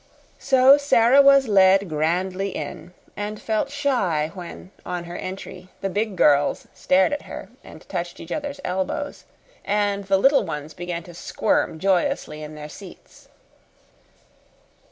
So Sara was led grandly in and felt shy when, on her entry, the big girls stared at her and touched each other's elbows, and the little ones began to squirm joyously in their seats.